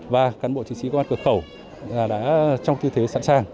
và cán bộ chiến sĩ công an cửa khẩu đã trong tư thế sẵn sàng